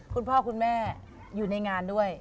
คุณพ่อคุณแม่อยู่ในงานด้วย